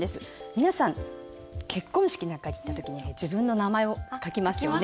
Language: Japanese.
皆さん結婚式なんかに行った時には自分の名前を書きますよね。